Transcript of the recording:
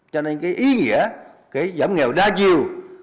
cho nên cái ý nghĩa cái giảm nghèo đa chiều